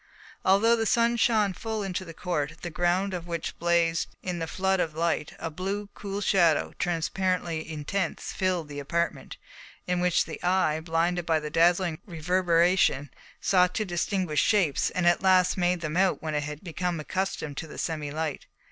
Although the sun shone full into the court, the ground of which blazed in the flood of light, a blue, cool shadow, transparently intense, filled the apartment, in which the eye, blinded by the dazzling reverberation, sought to distinguish shapes and at last made them out when it had become accustomed to the semi light.